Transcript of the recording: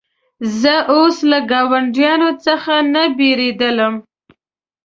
زه اوس له ګاونډیانو څخه نه بېرېدلم.